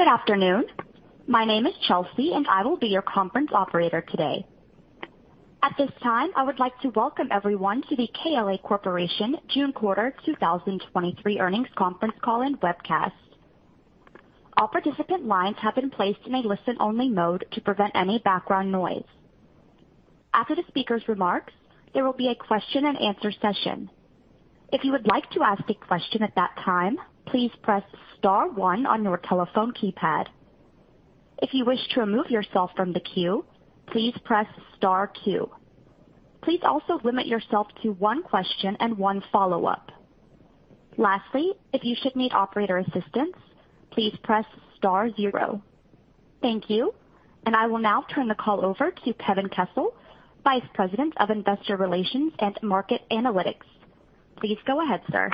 Good afternoon. My name is Chelsea, and I will be your conference operator today. At this time, I would like to welcome everyone to the KLA Corporation June quarter 2023 earnings conference call and webcast. All participant lines have been placed in a listen-only mode to prevent any background noise. After the speaker's remarks, there will be a question-and-answer session. If you would like to ask a question at that time, please press *1 on your telephone keypad. If you wish to remove yourself from the queue, please press *2. Please also limit yourself to one question and one follow-up. Lastly, if you should need operator assistance, please press *0. Thank you, and I will now turn the call over to Kevin Kessel, Vice President of Investor Relations and Market Analytics. Please go ahead, sir.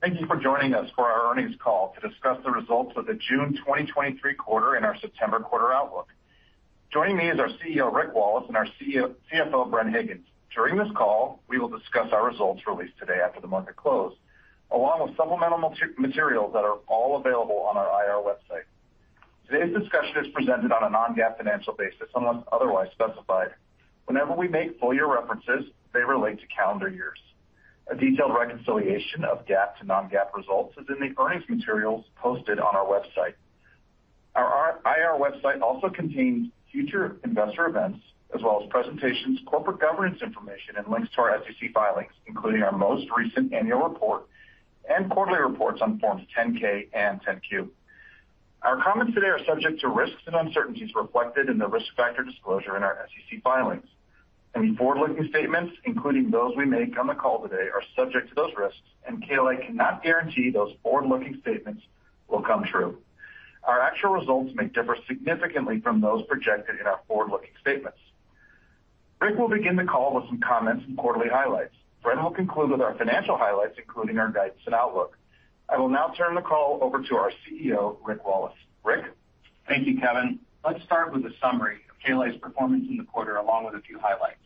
Thank you for joining us for our earnings call to discuss the results of the June 2023 quarter and our September quarter outlook. Joining me is our CEO, Rick Wallace, and our CFO, Bren Higgins. During this call, we will discuss our results released today after the market closed, along with supplemental materials that are all available on our IR website. Today's discussion is presented on a non-GAAP financial basis, unless otherwise specified. Whenever we make full year references, they relate to calendar years. A detailed reconciliation of GAAP to non-GAAP results is in the earnings materials posted on our website. Our IR website also contains future investor events, as well as presentations, corporate governance information, and links to our SEC filings, including our most recent annual report and quarterly reports on Forms 10-K and 10-Q. Our comments today are subject to risks and uncertainties reflected in the risk factor disclosure in our SEC filings. Any forward-looking statements, including those we make on the call today, are subject to those risks, and KLA cannot guarantee those forward-looking statements will come true. Our actual results may differ significantly from those projected in our forward-looking statements. Rick will begin the call with some comments and quarterly highlights. Brent will conclude with our financial highlights, including our guidance and outlook. I will now turn the call over to our CEO, Rick Wallace. Rick? Thank you, Kevin. Let's start with a summary of KLA's performance in the quarter, along with a few highlights.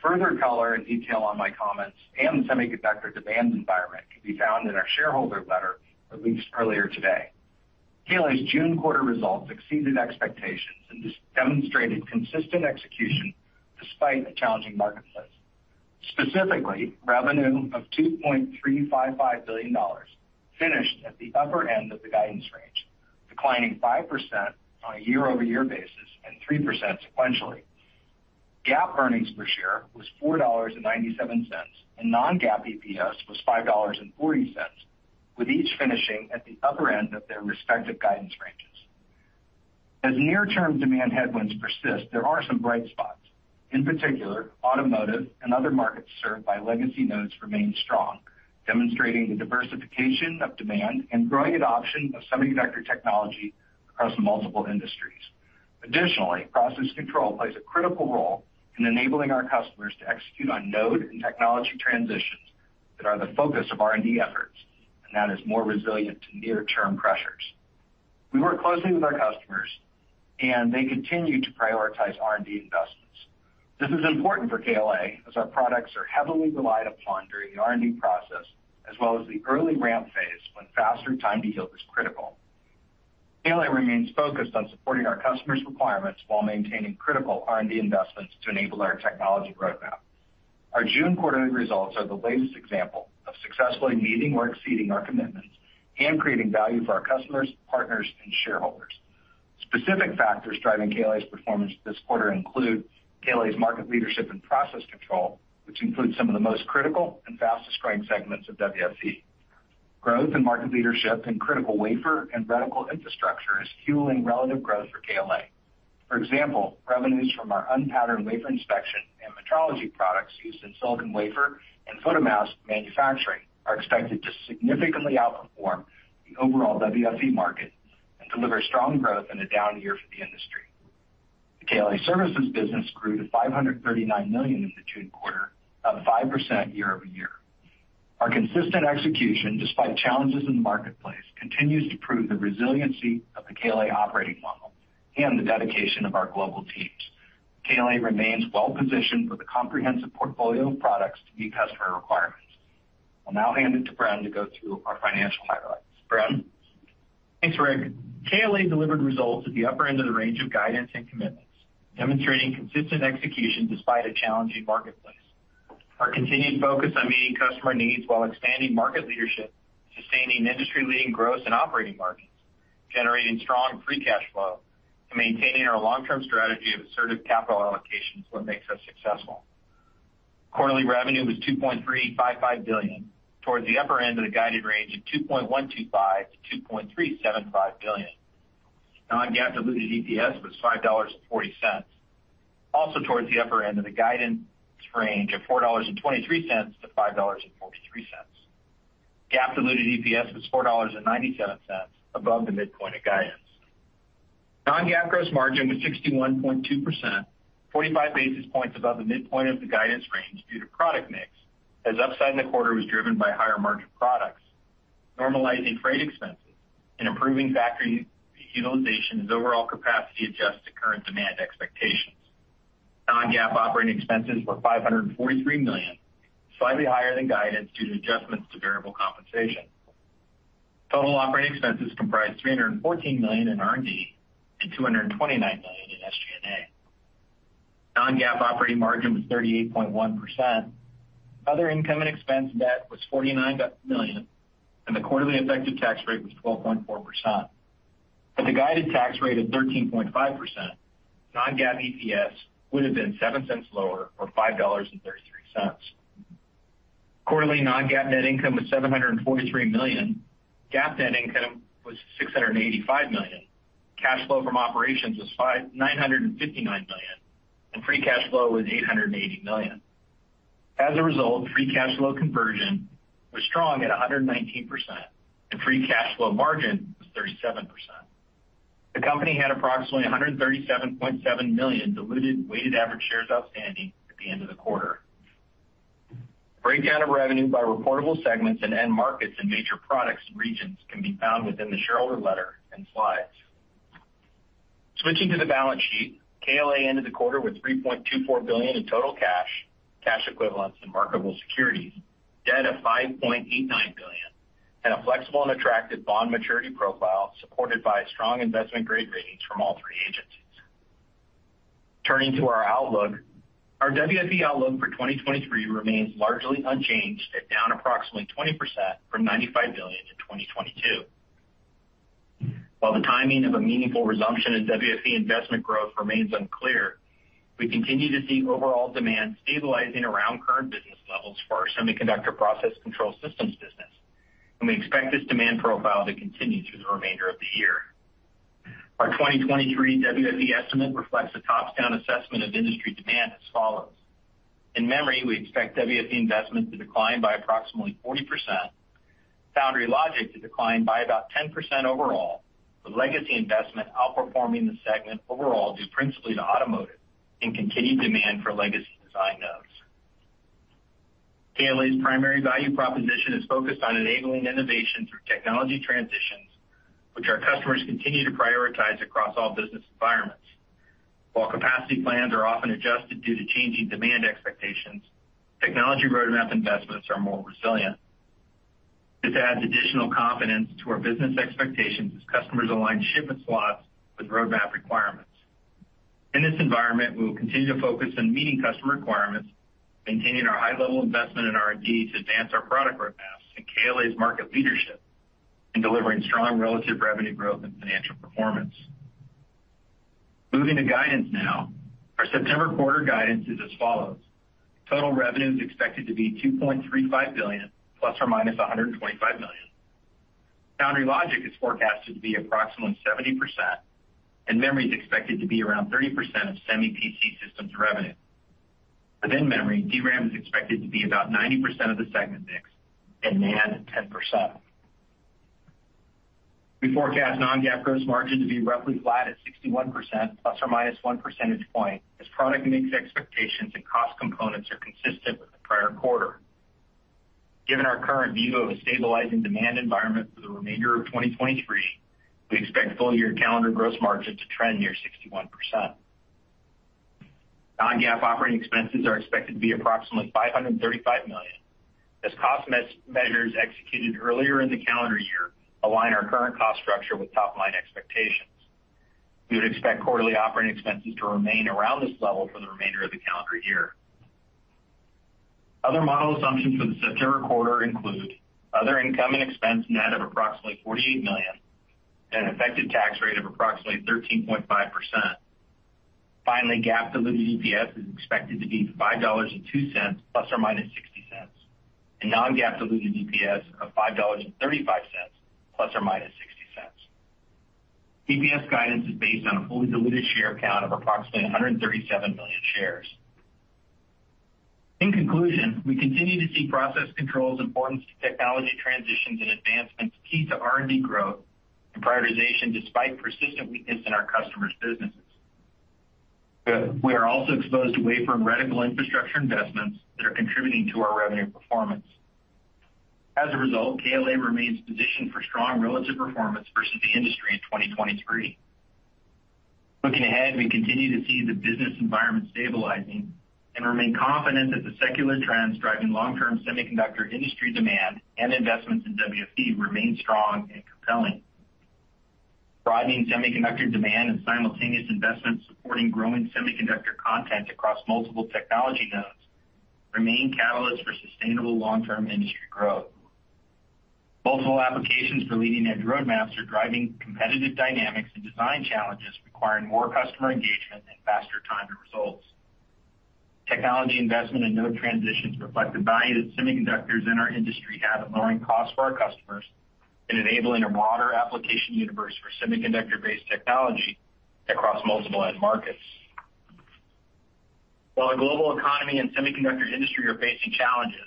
Further color and detail on my comments and semiconductor demand environment can be found in our shareholder letter released earlier today. KLA's June quarter results exceeded expectations and just demonstrated consistent execution despite a challenging marketplace. Specifically, revenue of $2.355 billion finished at the upper end of the guidance range, declining 5% on a year-over-year basis and 3% sequentially. GAAP earnings per share was $4.97, and non-GAAP EPS was $5.40, with each finishing at the upper end of their respective guidance ranges. As near-term demand headwinds persist, there are some bright spots. In particular, automotive and other markets served by legacy nodes remain strong, demonstrating the diversification of demand and growing adoption of semiconductor technology across multiple industries. Additionally, process control plays a critical role in enabling our customers to execute on node and technology transitions that are the focus of R&D efforts, that is more resilient to near-term pressures. We work closely with our customers, they continue to prioritize R&D investments. This is important for KLA as our products are heavily relied upon during the R&D process, as well as the early ramp phase when faster time to yield is critical. KLA remains focused on supporting our customers' requirements while maintaining critical R&D investments to enable our technology roadmap. Our June quarterly results are the latest example of successfully meeting or exceeding our commitments and creating value for our customers, partners, and shareholders. Specific factors driving KLA's performance this quarter include KLA's market leadership and process control, which includes some of the most critical and fastest growing segments of WFE. Growth and market leadership in critical wafer and reticle infrastructure is fueling relative growth for KLA. For example, revenues from our unpatterned wafer inspection and metrology products used in silicon wafer and photomask manufacturing are expected to significantly outperform the overall WFE market and deliver strong growth in a down year for the industry. The KLA Services business grew to $539 million in the June quarter, up 5% year-over-year. Our consistent execution, despite challenges in the marketplace, continues to prove the resiliency of the KLA Operating Model and the dedication of our global teams. KLA remains well positioned with a comprehensive portfolio of products to meet customer requirements. I'll now hand it to Brent to go through our financial highlights. Brent? Thanks, Rick. KLA delivered results at the upper end of the range of guidance and commitments, demonstrating consistent execution despite a challenging marketplace. Our continued focus on meeting customer needs while expanding market leadership, sustaining industry-leading growth in operating markets, generating strong free cash flow, and maintaining our long-term strategy of assertive capital allocation is what makes us successful. Quarterly revenue was $2.355 billion, towards the upper end of the guided range of $2.125 billion to $2.375 billion. Non-GAAP diluted EPS was $5.40, also towards the upper end of the guidance range of $4.23 to $5.43. GAAP diluted EPS was $4.97, above the midpoint of guidance. Non-GAAP gross margin was 61.2%, 45 basis points above the midpoint of the guidance range due to product mix, as upside in the quarter was driven by higher margin products, normalizing freight expenses, and improving factory utilization as overall capacity adjusts to current demand expectations. Non-GAAP operating expenses were $543 million, slightly higher than guidance due to adjustments to variable compensation. Total operating expenses comprised $314 million in R&D and $229 million in SG&A. Non-GAAP operating margin was 38.1%. Other income and expense, net was $49 million, and the quarterly effective tax rate was 12.4%. With the guided tax rate of 13.5%, non-GAAP EPS would have been $0.07 lower, or $5.33. Quarterly non-GAAP net income was $743 million. GAAP net income was $685 million. Cash flow from operations was $959 million, and free cash flow was $880 million. As a result, free cash flow conversion was strong at 119%, and free cash flow margin was 37%. The company had approximately 137.7 million diluted weighted average shares outstanding at the end of the quarter. Breakdown of revenue by reportable segments and end markets and major products and regions can be found within the shareholder letter and slides. Switching to the balance sheet, KLA ended the quarter with $3.24 billion in total cash, cash equivalents, and marketable securities, debt of $5.89 billion, and a flexible and attractive bond maturity profile, supported by strong investment-grade ratings from all three agencies. Turning to our outlook, our WFE outlook for 2023 remains largely unchanged, at down approximately 20% from $95 billion to 2022. While the timing of a meaningful resumption in WFE investment growth remains unclear, we continue to see overall demand stabilizing around current business levels for our Semiconductor Process Control systems business, we expect this demand profile to continue through the remainder of the year. Our 2023 WFE estimate reflects a top-down assessment of industry demand as follows: In memory, we expect WFE investment to decline by approximately 40%, foundry/logic to decline by about 10% overall, with legacy investment outperforming the segment overall, due principally to automotive and continued demand for legacy design nodes. KLA's primary value proposition is focused on enabling innovation through technology transitions, which our customers continue to prioritize across all business environments. While capacity plans are often adjusted due to changing demand expectations, technology roadmap investments are more resilient. This adds additional confidence to our business expectations as customers align shipment slots with roadmap requirements. In this environment, we will continue to focus on meeting customer requirements, maintaining our high level investment in R&D to advance our product roadmaps and KLA's market leadership in delivering strong relative revenue growth and financial performance. Moving to guidance now. Our September quarter guidance is as follows: Total revenue is expected to be $2.35 billion, ±$125 million. Foundry logic is forecasted to be approximately 70%, and memory is expected to be around 30% of Semi PC Systems revenue. Within memory, DRAM is expected to be about 90% of the segment mix and NAND, 10%. We forecast non-GAAP gross margin to be roughly flat at 61%, ±1 percentage point, as product mix expectations and cost components are consistent with the prior quarter. Given our current view of a stabilizing demand environment for the remainder of 2023, we expect full year calendar gross margin to trend near 61%. Non-GAAP operating expenses are expected to be approximately $535 million, as cost measures executed earlier in the calendar year align our current cost structure with top-line expectations. We would expect quarterly operating expenses to remain around this level for the remainder of the calendar year. Other model assumptions for the September quarter include other income and expense, net of approximately $48 million and an effective tax rate of approximately 13.5%. Finally, GAAP diluted EPS is expected to be $5.02 ±$0.60, and non-GAAP diluted EPS of $5.35 ±$0.60. EPS guidance is based on a fully diluted share count of approximately 137 million shares. In conclusion, we continue to see process control's importance to technology transitions and advancements key to R&D growth and prioritization, despite persistent weakness in our customers' businesses. We are also exposed to wafer and reticle infrastructure investments that are contributing to our revenue performance. As a result, KLA remains positioned for strong relative performance versus the industry in 2023. Looking ahead, we continue to see the business environment stabilizing and remain confident that the secular trends driving long-term semiconductor industry demand and investments in WFE remain strong and compelling. Broadening semiconductor demand and simultaneous investments supporting growing semiconductor content across multiple technology nodes remain catalysts for sustainable long-term industry growth. Multiple applications for leading-edge roadmaps are driving competitive dynamics and design challenges, requiring more customer engagement and faster time to results. Technology investment and node transitions reflect the value that semiconductors in our industry have in lowering costs for our customers and enabling a broader application universe for semiconductor-based technology across multiple end markets. While the global economy and semiconductor industry are facing challenges,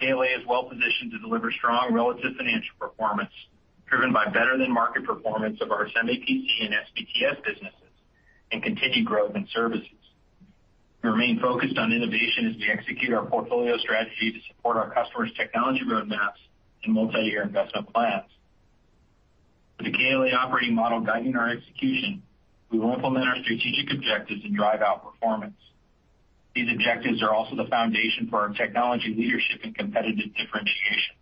KLA is well positioned to deliver strong relative financial performance, driven by better-than-market performance of our Semi PC and SBTS businesses, and continued growth in services. We remain focused on innovation as we execute our portfolio strategy to support our customers' technology roadmaps and multi-year investment plans. With the KLA operating model guiding our execution, we will implement our strategic objectives and drive outperformance. These objectives are also the foundation for our technology leadership and competitive differentiation.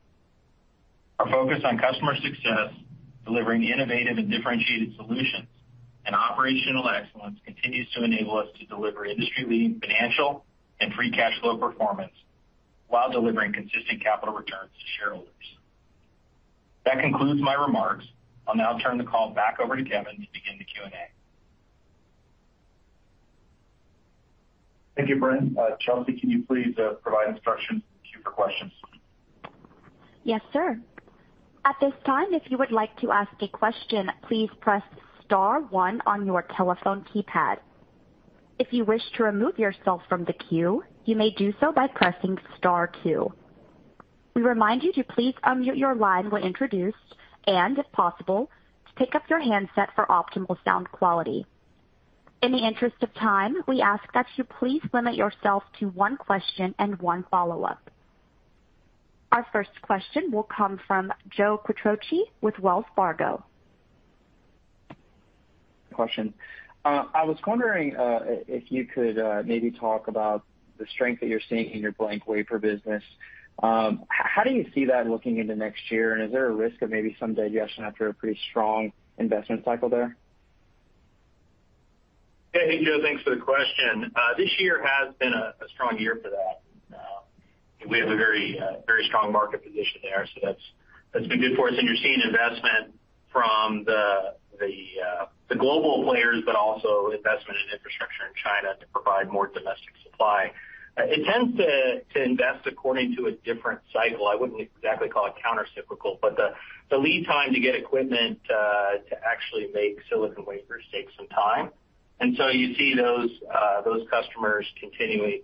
Our focus on customer success, delivering innovative and differentiated solutions, and operational excellence continues to enable us to deliver industry-leading financial and free cash flow performance, while delivering consistent capital returns to shareholders. That concludes my remarks. I'll now turn the call back over to Kevin to begin the Q&A. Thank you, Bren. Chelsea, can you please provide instructions to the queue for questions? Yes, sir. At this time, if you would like to ask a question, please press star one on your telephone keypad. If you wish to remove yourself from the queue, you may do so by pressing star two. We remind you to please unmute your line when introduced, and, if possible, to pick up your handset for optimal sound quality. In the interest of time, we ask that you please limit yourself to one question and one follow-up. Our first question will come from Joe Quatroche with Wells Fargo. I was wondering, if you could, maybe talk about the strength that you're seeing in your blank wafer business. How do you see that looking into next year, and is there a risk of maybe some digestion after a pretty strong investment cycle there? Hey, Joe, thanks for the question. This year has been a strong year for that. We have a very strong market position there, so that's been good for us. You're seeing investment from the global players, but also investment in infrastructure in China to provide more domestic supply. It tends to invest according to a different cycle. I wouldn't exactly call it countercyclical, but the lead time to get equipment to actually make silicon wafers take some time. So you see those customers continuing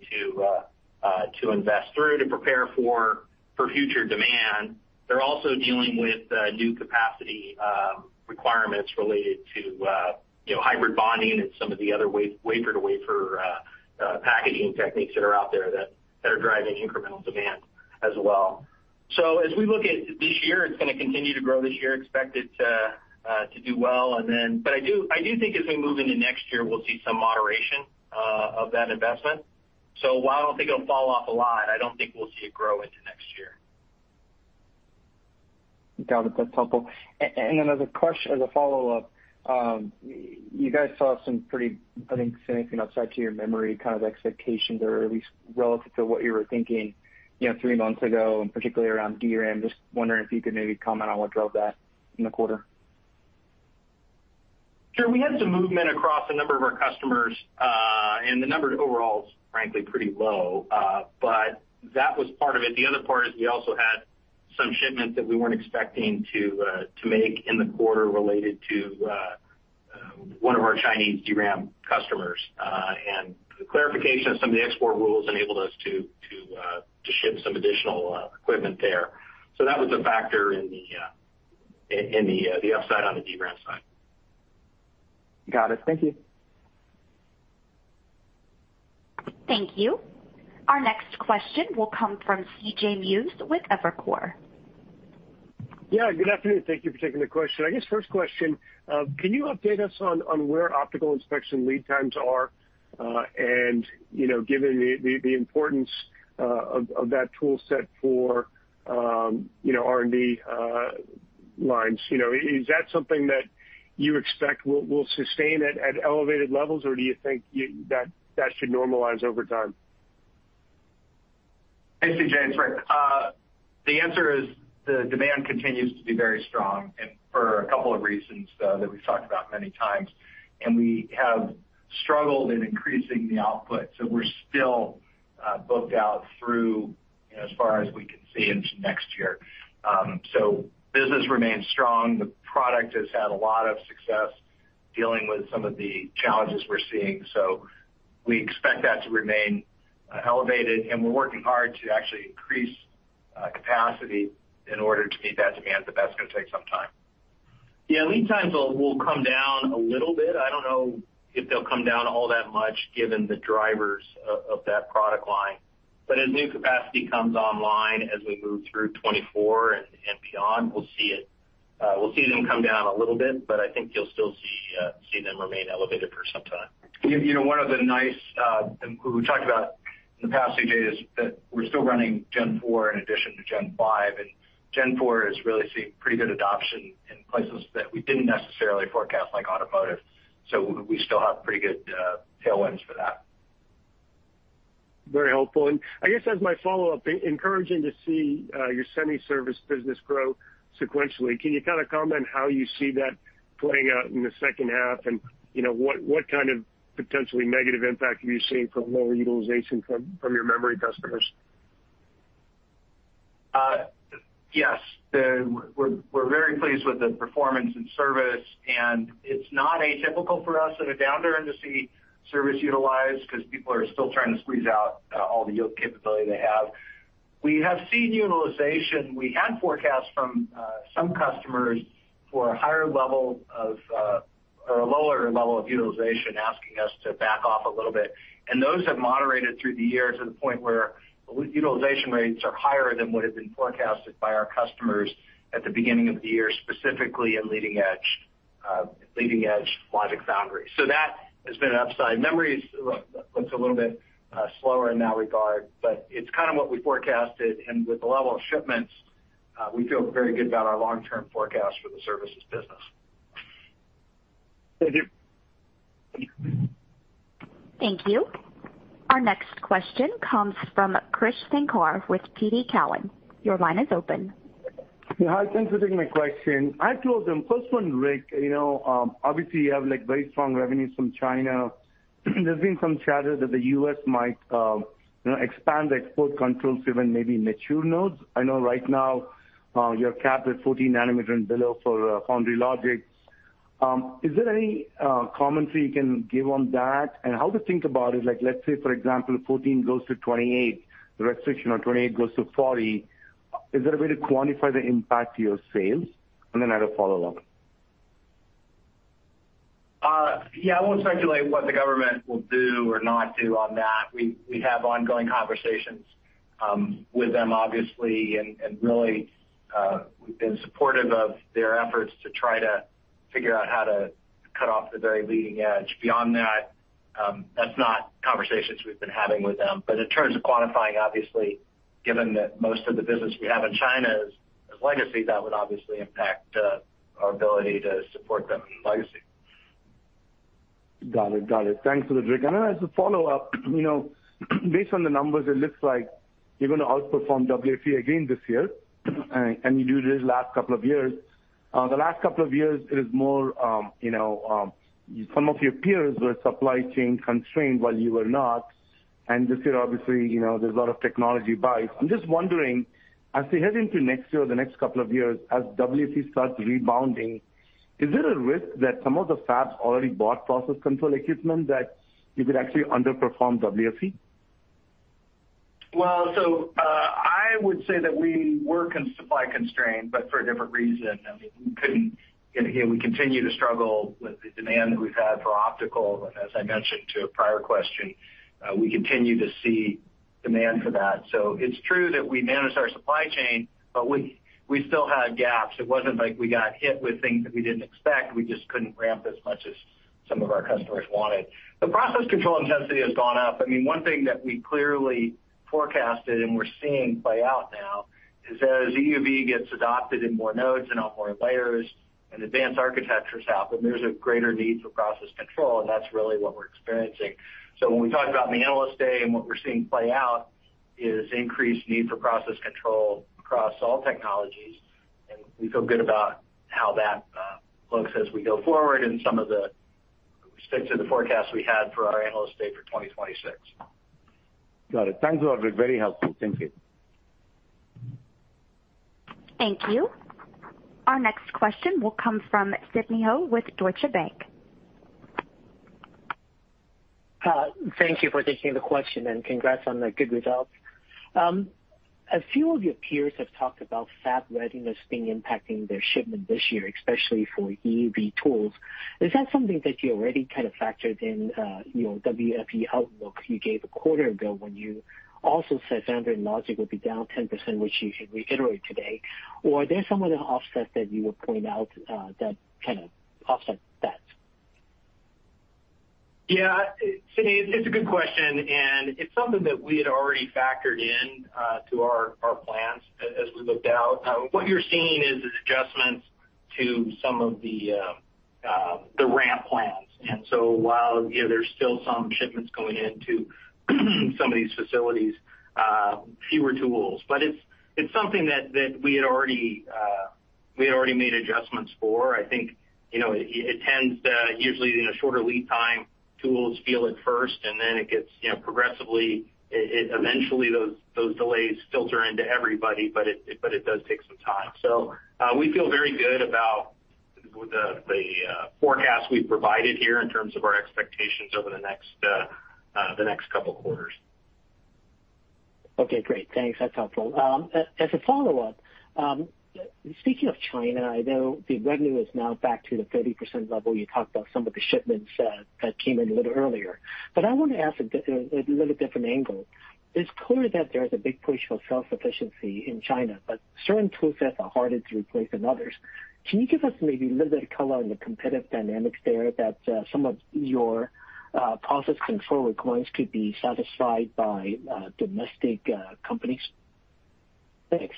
to invest through to prepare for future demand. They're also dealing with new capacity requirements related to, you know, hybrid bonding and some of the other wafer-to-wafer packaging techniques that are out there that, that are driving incremental demand as well. As we look at this year, it's going to continue to grow this year, expect it to, to do well. I do, I do think as we move into next year, we'll see some moderation of that investment. While I don't think it'll fall off a lot, I don't think we'll see it grow into next year. Got it. That's helpful. Then as a follow-up, you guys saw some pretty, I think, anything outside to your memory, kind of expectations or at least relative to what you were thinking, you know, 3 months ago, and particularly around DRAM. Just wondering if you could maybe comment on what drove that in the quarter? Sure. We had some movement across a number of our customers, and the number overall is frankly, pretty low, but that was part of it. The other part is we also had some shipments that we weren't expecting to make in the quarter related to one of our Chinese DRAM customers. The clarification of some of the export rules enabled us to ship some additional equipment there. That was a factor in the upside on the DRAM side. Got it. Thank you. Thank you. Our next question will come from C.J. Muse with Evercore. Yeah, good afternoon. Thank you for taking the question. I guess, first question, can you update us on, on where optical inspection lead times are? You know, given the, the, the importance of, of that tool set for, you know, R&D lines, you know, is that something that you expect will, will sustain at elevated levels, or do you think that, that should normalize over time? Thanks, CJ. The answer is the demand continues to be very strong, for a couple of reasons that we've talked about many times, we have struggled in increasing the output, so we're still booked out through, as far as we can see into next year. Business remains strong. The product has had a lot of success dealing with some of the challenges we're seeing, so we expect that to remain elevated, we're working hard to actually increase capacity in order to meet that demand, that's going to take some time. The lead times will, will come down a little bit. I don't know if they'll come down all that much given the drivers of that product line. As new capacity comes online, as we move through 2024 and, and beyond, we'll see them come down a little bit, but I think you'll still see them remain elevated for some time. You know, one of the nice, and we talked about in the past, CJ, is that we're still running Gen 4 in addition to Gen 5, and Gen 4 is really seeing pretty good adoption in places that we didn't necessarily forecast, like automotive. We still have pretty good tailwinds for that. Very helpful. I guess as my follow-up, encouraging to see your semi service business grow sequentially. Can you kind of comment how you see that playing out in the second half? You know, what kind of potentially negative impact are you seeing from lower utilization from your memory customers? Yes, we're very pleased with the performance and service, and it's not atypical for us in a downer to see service utilized because people are still trying to squeeze out all the yield capability they have. We have seen utilization. We had forecasts from some customers for a lower level of utilization, asking us to back off a little bit. Those have moderated through the year to the point where utilization rates are higher than what had been forecasted by our customers at the beginning of the year, specifically in leading-edge leading-edge logic foundry. That has been an upside. Memory looks a little bit slower in that regard, but it's kind of what we forecasted, and with the level of shipments, we feel very good about our long-term forecast for the services business. Thank you. Thank you. Our next question comes from Krish Sankar with TD Cowen. Your line is open. Yeah, hi. Thanks for taking my question. I have 2 of them. First one, Rick, you know, obviously, you have, like, very strong revenues from China. There's been some chatter that the U.S. might, you know, expand the export controls to even maybe mature nodes. I know right now, you're capped at 14 nanometer and below for foundry/logic. Is there any commentary you can give on that, and how to think about it? Like, let's say, for example, 14 goes to 28, the restriction on 28 goes to 40. Is there a way to quantify the impact to your sales? I have a follow-up. Yeah, I won't speculate what the government will do or not do on that. We have ongoing conversations with them, obviously, and really, we've been supportive of their efforts to try to figure out how to cut off the very leading edge. Beyond that, that's not conversations we've been having with them. In terms of quantifying, obviously, given that most of the business we have in China is legacy, that would obviously impact our ability to support them in legacy. Got it. Got it. Thanks for that, Rick. As a follow-up, you know, based on the numbers, it looks like you're going to outperform WFE again this year, and you did it last couple of years. The last couple of years, it is more, you know, some of your peers were supply chain constrained while you were not. This year, obviously, you know, there's a lot of technology buys. I'm just wondering, as we head into next year, or the next couple of years, as WFE starts rebounding, is there a risk that some of the fabs already bought process control equipment, that you could actually underperform WFE? I would say that we were supply constrained, but for a different reason. I mean, we couldn't -- again, we continue to struggle with the demand that we've had for optical, and as I mentioned to a prior question, we continue to see demand for that. It's true that we managed our supply chain, but we, we still had gaps. It wasn't like we got hit with things that we didn't expect. We just couldn't ramp as much as some of our customers wanted. The process control intensity has gone up. I mean, one thing that we clearly forecasted and we're seeing play out now is as EUV gets adopted in more nodes and on more layers and advanced architectures happen, there's a greater need for process control, and that's really what we're experiencing. When we talked about the Analyst Day, and what we're seeing play out is increased need for process control across all technologies, and we feel good about how that looks as we go forward and some of the sticks to the forecast we had for our Analyst Day for 2026. Got it. Thanks a lot, Rick. Very helpful. Thank you. Thank you. Our next question will come from Sidney Ho with Deutsche Bank. Thank you for taking the question, and congrats on the good results. A few of your peers have talked about fab readiness being impacting their shipment this year, especially for EUV tools. Is that something that you already kind of factored in your WFE outlook you gave a quarter ago when you also said standard logic would be down 10%, which you should reiterate today? Are there some other offsets that you would point out that kind of offset that? Yeah, Sydney, it's a good question, and it's something that we had already factored in to our, our plans as we looked out. What you're seeing is, is adjustments to some of the ramp plans. While, you know, there's still some shipments going into some of these facilities, fewer tools, but it's, it's something that, that we had already, we had already made adjustments for. I think, you know, it, it tends to usually, you know, shorter lead time tools feel it first, and then it gets, you know, progressively, eventually, those, those delays filter into everybody, but it, but it does take some time. We feel very good about the, the forecast we've provided here in terms of our expectations over the next, the next couple of quarters. Okay, great. Thanks. That's helpful. As a follow-up, speaking of China, I know the revenue is now back to the 30% level. You talked about some of the shipments that came in a little earlier, but I want to ask a little different angle. It's clear that there is a big push for self-sufficiency in China, but certain toolsets are harder to replace than others. Can you give us maybe a little bit of color on the competitive dynamics there, that some of your process control requirements could be satisfied by domestic companies? Thanks.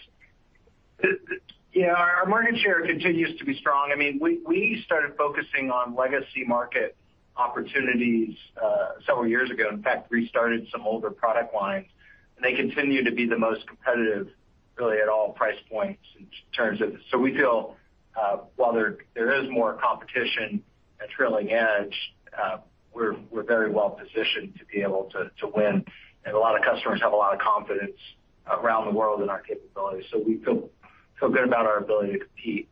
Yeah, our market share continues to be strong. I mean, we started focusing on legacy market opportunities, several years ago, in fact, restarted some older product lines, and they continue to be the most competitive, really, at all price points in terms of. We feel, while there is more competition at trailing edge, we're very well positioned to be able to win, and a lot of customers have a lot of confidence around the world in our capabilities, so we feel good about our ability to compete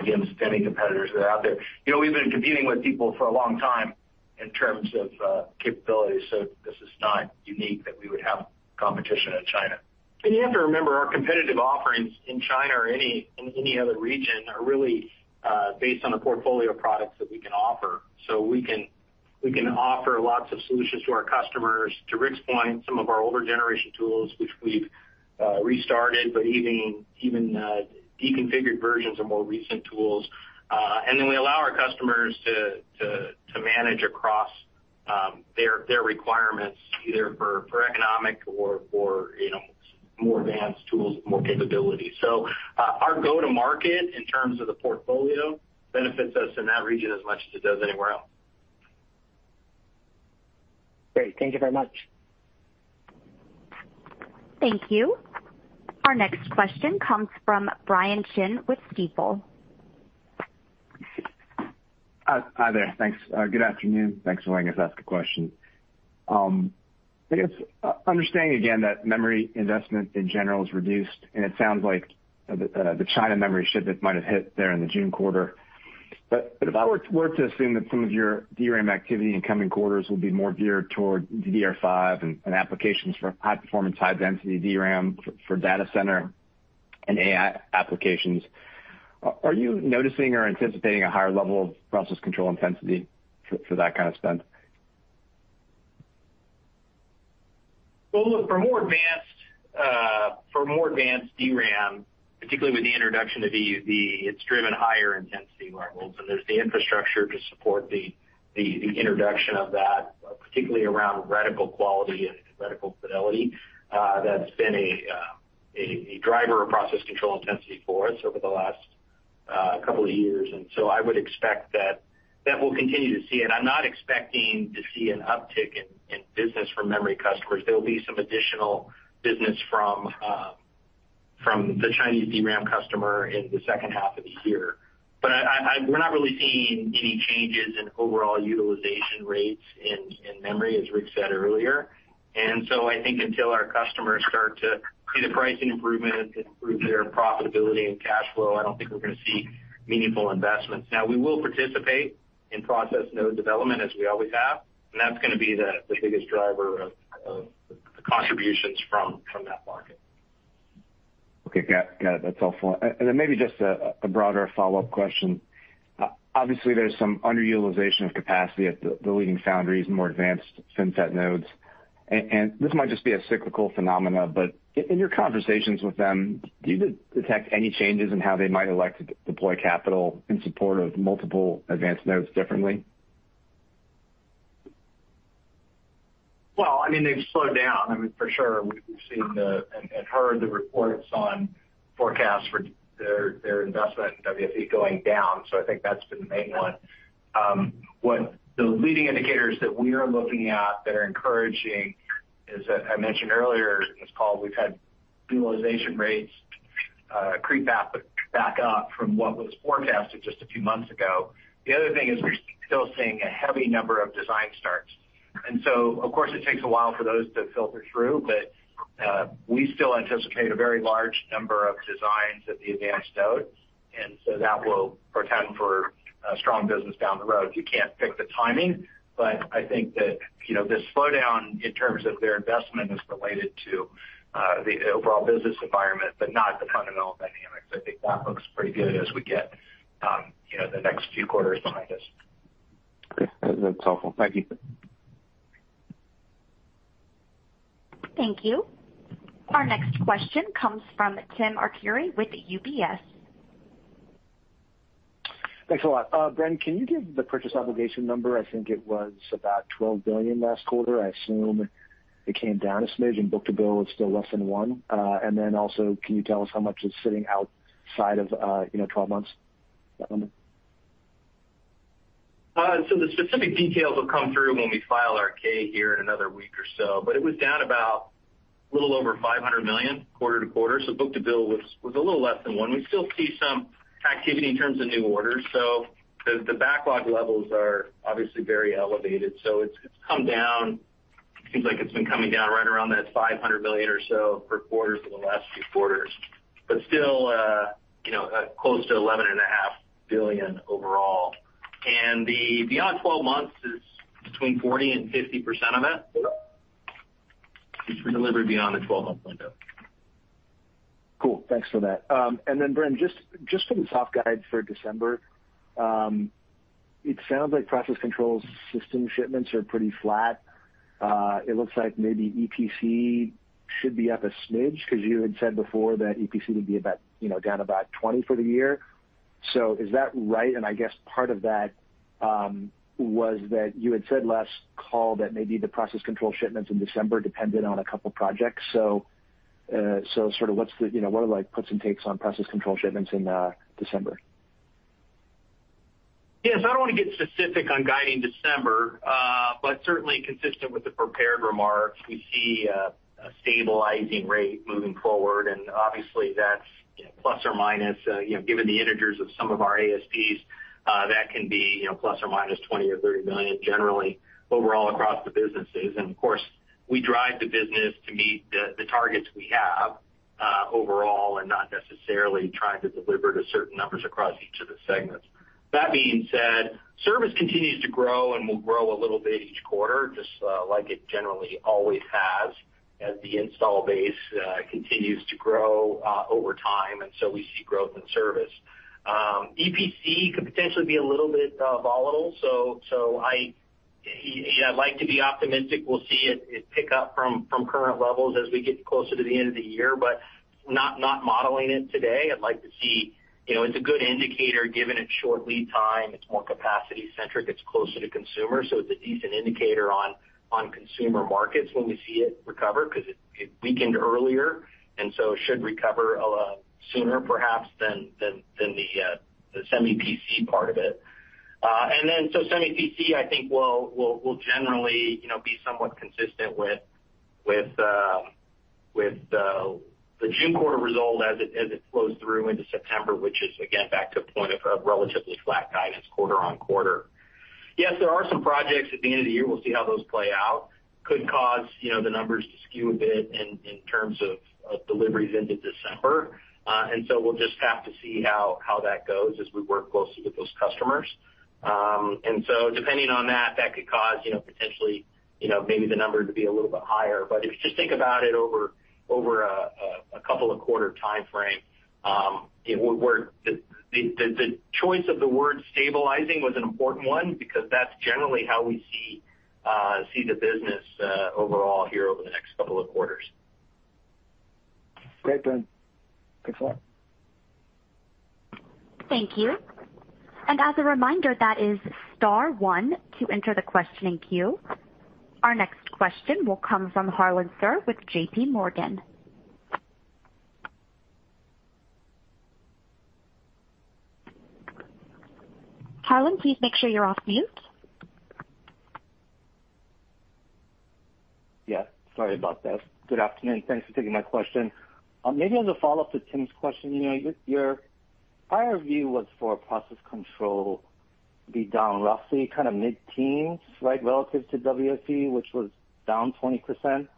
against any competitors that are out there. You know, we've been competing with people for a long time in terms of capabilities. This is not unique that we would have competition in China. You have to remember, our competitive offerings in China or any, in any other region are really based on a portfolio of products that we can offer. We can, we can offer lots of solutions to our customers. To Rick's point, some of our older generation tools, which we've restarted, but even, even deconfigured versions of more recent tools, and then we allow our customers to, to, to manage across their, their requirements, either for, for economic or, or, you know, more advanced tools, more capability. Our go-to-market in terms of the portfolio benefits us in that region as much as it does anywhere else. Great. Thank you very much. Thank you. Our next question comes from Brian Chin with Stifel. Hi there. Thanks. good afternoon. Thanks for letting us ask a question. I guess, understanding again that memory investment in general is reduced, it sounds like the China memory shipment might have hit there in the June quarter. If I were to assume that some of your DRAM activity in coming quarters will be more geared toward DDR5 and applications for high performance, high density DRAM for data center and AI applications, are you noticing or anticipating a higher level of process control intensity for that kind of spend? Well, look, for more advanced, for more advanced DRAM, particularly with the introduction of EUV, it's driven higher intensity levels, and there's the infrastructure to support the, the, the introduction of that, particularly around radical quality and radical fidelity. That's been a, a driver of process control intensity for us over the last couple of years, and I would expect that, that we'll continue to see it. I'm not expecting to see an uptick in, in business from memory customers. There will be some additional business from, from the Chinese DRAM customer in the second half of the year. I, I, we're not really seeing any changes in overall utilization rates in, in memory, as Rick said earlier. I think until our customers start to see the pricing improvement improve their profitability and cash flow, I don't think we're going to see meaningful investments. Now, we will participate in process node development, as we always have, and that's going to be the biggest driver of the contributions from that market. Okay, got it. That's helpful. Then maybe just a broader follow-up question. Obviously, there's some underutilization of capacity at the leading foundries, more advanced FinFET nodes. This might just be a cyclical phenomena, but in your conversations with them, do you detect any changes in how they might elect to deploy capital in support of multiple advanced nodes differently? Well, I mean, they've slowed down, I mean, for sure. We've seen the, and heard the reports on forecasts for their, their investment in WFE going down. I think that's been the main one. What the leading indicators that we are looking at that are encouraging is, as I mentioned earlier in this call, we've had utilization rates creep back, back up from what was forecasted just a few months ago. The other thing is we're still seeing a heavy number of design starts, so of course, it takes a while for those to filter through, we still anticipate a very large number of designs at the advanced node, so that will portend for a strong business down the road. You can't pick the timing, but I think that, you know, this slowdown in terms of their investment is related to the overall business environment, but not the fundamental dynamics. I think that looks pretty good as we get, you know, the next few quarters behind us. Great. That's helpful. Thank you. Thank you. Our next question comes from Tim Arcuri with UBS. Thanks a lot. Brent, can you give the purchase obligation number? I think it was about $12 billion last quarter. I assume it came down a smidge. Book to bill is still less than one. Also, can you tell us how much is sitting outside of, you know, twelve months? The specific details will come through when we file our K here in another week or so. It was down about a little over $500 million quarter to quarter. Book to bill was a little less than 1. We still see some activity in terms of new orders. The backlog levels are obviously very elevated. It's come down. Seems like it's been coming down right around that $500 million or so per quarter for the last few quarters, but still, you know, close to $11.5 billion overall. The beyond 12 months is between 40%-50% of that. It's for delivery beyond the 12-month window. Cool. Thanks for that. Then, Brent, just, just for the soft guide for December, it sounds like process control system shipments are pretty flat. It looks like maybe EPC should be up a smidge, because you had said before that EPC would be about, you know, down about 20 for the year. Is that right? I guess part of that was that you had said last call that maybe the process control shipments in December depended on a couple projects. Sort of what's the, you know, what are the puts and takes on process control shipments in December? Yes, I don't want to get specific on guiding December, but certainly consistent with the prepared remarks, we see a stabilizing rate moving forward, and obviously, that's ±$20 million or $30 million generally overall across the businesses. Of course, we drive the business to meet the targets we have overall and not necessarily trying to deliver to certain numbers across each of the segments. That being said, service continues to grow and will grow a little bit each quarter, just like it generally always has, as the install base continues to grow over time, and so we see growth in service. EPC could potentially be a little bit volatile, I'd like to be optimistic. We'll see it pick up from current levels as we get closer to the end of the year, but not modeling it today. I'd like to see, you know, it's a good indicator, given its short lead time, it's more capacity-centric, it's closer to consumer, so it's a decent indicator on consumer markets when we see it recover, because it weakened earlier, and so it should recover sooner perhaps than the semi-PC part of it. Then so semi-PC, I think, will generally, you know, be somewhat consistent with the June quarter result as it flows through into September, which is, again, back to the point of a relatively flat guidance quarter-on-quarter. Yes, there are some projects at the end of the year, we'll see how those play out. Could cause, you know, the numbers to skew a bit in, in terms of, of deliveries into December. We'll just have to see how, how that goes as we work closely with those customers. Depending on that, that could cause, you know, potentially, you know, maybe the number to be a little bit higher. If you just think about it over, over a couple of quarter time frame, it would work. The choice of the word stabilizing was an important one, because that's generally how we see the business overall here over the next couple of quarters. Great, Bren. Thanks a lot. Thank you. As a reminder, that is star one to enter the questioning queue. Our next question will come from Harlan Sir with JP Morgan. Harlan, please make sure you're off mute. Yeah, sorry about that. Good afternoon. Thanks for taking my question. Maybe as a follow-up to Tim's question, you know, your prior view was for process control to be down roughly kind of mid-teens, right, relative to WFE, which was down 20%.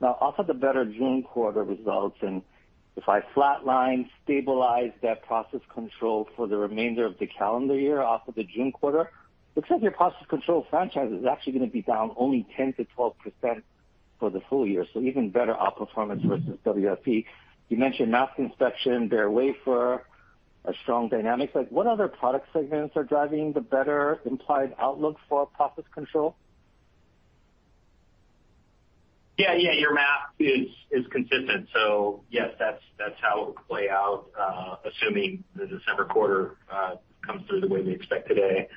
Now, off of the better June quarter results, and if I flatline, stabilize that process control for the remainder of the calendar year off of the June quarter, it looks like your process control franchise is actually going to be down only 10%-12% for the full year, so even better outperformance versus WFE. You mentioned mask inspection, bare wafer, a strong dynamics. Like, what other product segments are driving the better implied outlook for process control? Yeah, yeah, your math is, is consistent. Yes, that's, that's how it will play out, assuming the December quarter comes through the way we expect today.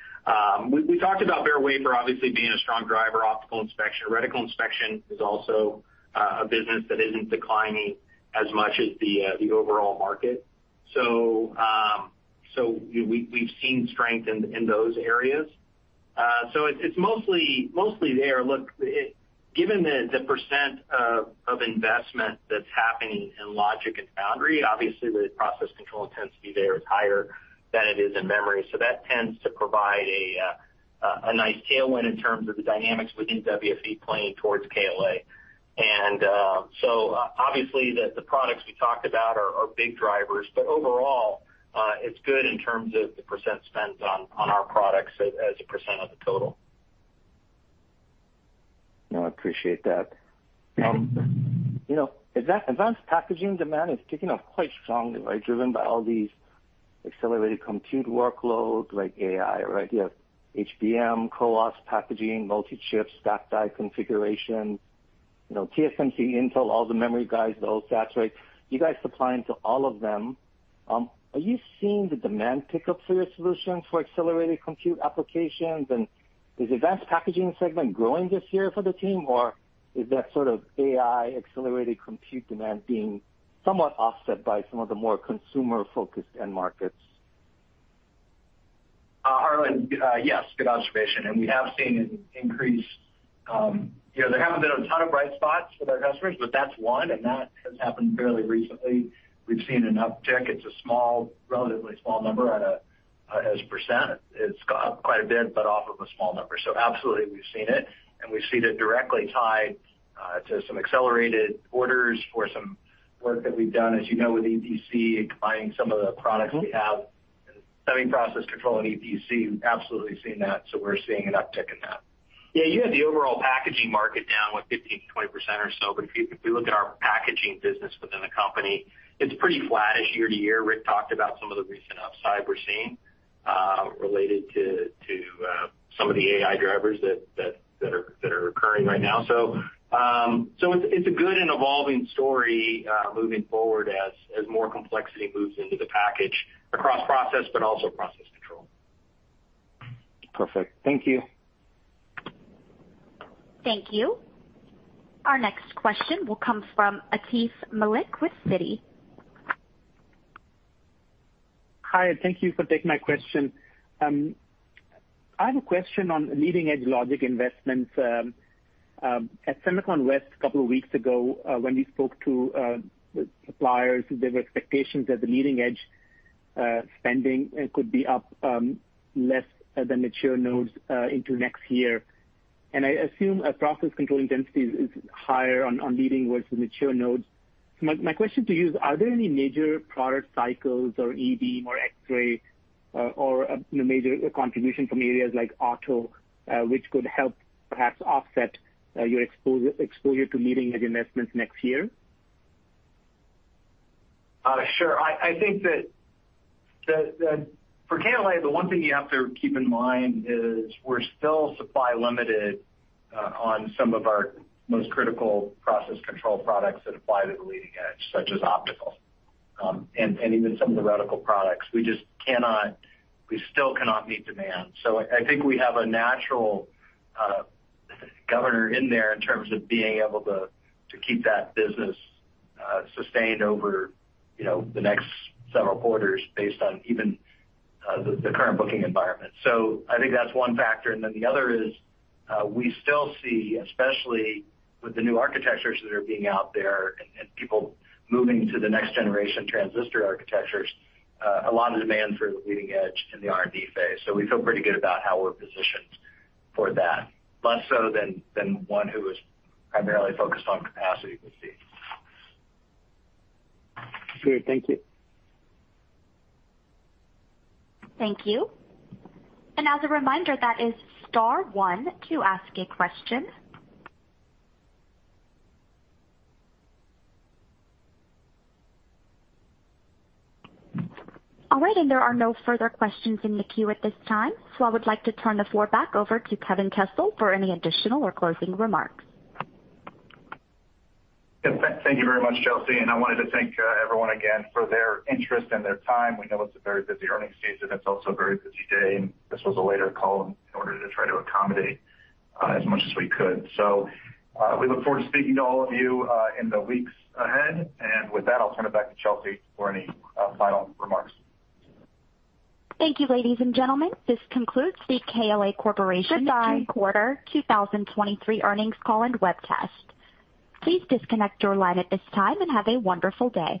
We, we talked about bare wafer obviously being a strong driver. Optical inspection, reticle inspection is also a business that isn't declining as much as the overall market. So we, we've seen strength in, in those areas. So it's, it's mostly, mostly there. Look, it, given the, the % of, of investment that's happening in logic and foundry, obviously, the process control intensity there is higher than it is in memory. That tends to provide a nice tailwind in terms of the dynamics within WFE playing towards KLA. Obviously, the products we talked about are big drivers, but overall, it's good in terms of the % spent on our products as a % of the total. No, I appreciate that. Yeah. You know, advanced packaging demand is kicking off quite strongly, right, driven by all these accelerated compute workloads like AI, right? You have HBM, CoWoS packaging, multi-chip, stack die configuration, you know, TSMC, Intel, all the memory guys, those sats, right? You guys supplying to all of them. Are you seeing the demand pick up for your solutions for accelerated compute applications, and is advanced packaging segment growing this year for the team, or is that sort of AI accelerated compute demand being somewhat offset by some of the more consumer-focused end markets? Harlan, yes, good observation, we have seen an increase. You know, there haven't been a ton of bright spots with our customers, but that's one, that has happened fairly recently. We've seen an uptick. It's a small, relatively small number at a, as a %. It's gone up quite a bit, off of a small number. Absolutely, we've seen it, we've seen it directly tied to some accelerated orders for some work that we've done, as you know, with EPC and combining some of the products we have. Semiconductor Process Control and EPC, we've absolutely seen that, we're seeing an uptick in that. You had the overall packaging market down, what, 15%-20% or so, if you, if you look at our packaging business within the company, it's pretty flattish year-to-year. Rick talked about some of the recent upside we're seeing, related to some of the AI drivers that are occurring right now. It's a good and evolving story, moving forward as more complexity moves into the package across process, but also process control. Perfect. Thank you. Thank you. Our next question will come from Atif Malik with Citi. Hi, thank you for taking my question. I have a question on leading-edge logic investments. At Semiconductor West a couple of weeks ago, when we spoke to the suppliers, there were expectations that the leading-edge spending could be up less than mature nodes into next year. I assume a process controlling density is higher on leading towards the mature nodes. My question to you is, are there any major product cycles or EV or X-ray, or a major contribution from areas like auto, which could help perhaps offset your exposure to leading-edge investments next year? Sure. I think that for KLA, the one thing you have to keep in mind is we're still supply limited on some of our most critical process control products that apply to the leading edge, such as optical, and even some of the radical products. We still cannot meet demand. I think we have a natural governor in there in terms of being able to keep that business sustained over, you know, the next several quarters based on even the current booking environment. I think that's one factor. The other is, we still see, especially with the new architectures that are being out there and people moving to the next generation transistor architectures, a lot of demand for the leading edge in the R&D phase. We feel pretty good about how we're positioned for that, less so than, than one who is primarily focused on capacity would see. Great. Thank you. Thank you. As a reminder, that is star 1 to ask a question. All right, there are no further questions in the queue at this time, I would like to turn the floor back over to Kevin Kessel for any additional or closing remarks. Yeah, thank you very much, Chelsea, and I wanted to thank everyone again for their interest and their time. We know it's a very busy earnings season. It's also a very busy day, and this was a later call in order to try to accommodate as much as we could. We look forward to speaking to all of you in the weeks ahead. With that, I'll turn it back to Chelsea for any final remarks. Thank you, ladies and gentlemen. This concludes the KLA Corporation. Goodbye. Third quarter 2023 earnings call and webcast. Please disconnect your line at this time and have a wonderful day.